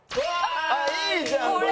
いいじゃんこれ！